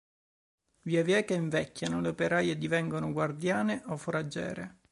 Via via che invecchiano, le operaie divengono guardiane o foraggere.